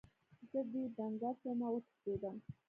زه ډیر ډنګر شوم او وتښتیدم.